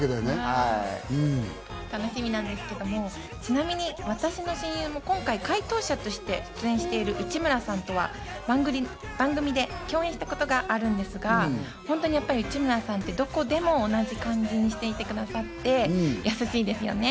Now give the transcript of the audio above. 楽しみなんですけれども、ちなみに私の親友、今回、回答者として出演している内村さんとは番組で共演したことがあるんですが、内村さんってどこでも同じ感じにしていてくださって、優しいですよね。